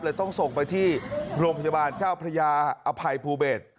ต้องส่งไปที่โรงพยาบาลเจ้าพระยาอภัยภูเบศ